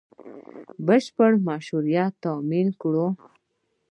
بشپړ مشروعیت تامین کړو